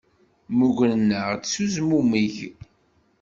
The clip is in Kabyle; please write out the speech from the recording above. Mmugren-aɣ s uzmumeg.